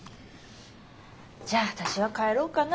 じゃあ私は帰ろうかな。